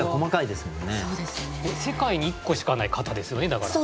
世界に１個しかない型ですよねだから。